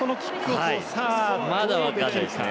まだ分からないですね。